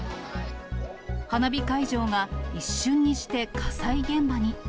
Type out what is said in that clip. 花火会場が一瞬にして火災現場に。